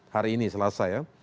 hari ini selesai ya